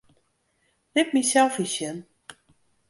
Lit myn selfies sjen.